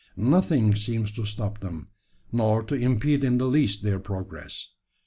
Nothing seems to stop them, nor to impede in the least their progress.